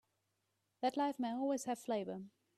That life may always have flavor.